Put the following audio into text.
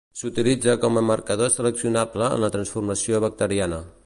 S'utilitza com a marcador seleccionable en la transformació bacteriana.